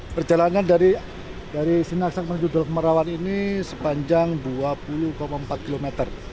perjalanan dari sinarsak menuju dolok merawan ini sepanjang dua puluh empat km